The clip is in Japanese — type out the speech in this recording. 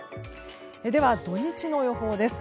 では土日の予報です。